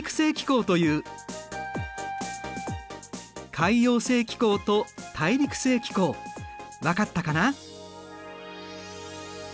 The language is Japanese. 海洋性気候と大陸性気候分かったかな？